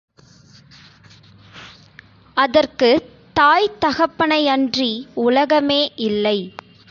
அதற்குத் தாய் தகப்பனையன்றி உலகமே இல்லை.